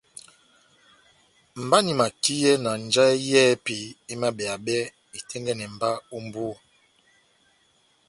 Mba nahimakiyɛ na njahɛ yɛ́hɛpi emabeyabɛ itɛ́ngɛ́nɛ mba ó mbu